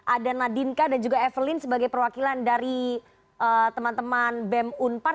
ada nadinka dan juga evelyn sebagai perwakilan dari teman teman bem unpar